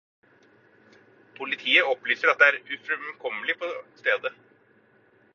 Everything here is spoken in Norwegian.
Politiet opplyser at det er ufremkommelig på stedet.